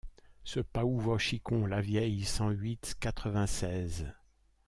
Ce paouvre Chiquon Lavieille cent huit quatre-vingt-seize.